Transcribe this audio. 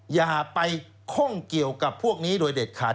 อย่าไปข้องเกี่ยวกับพวกนี้โดยเด็ดขาด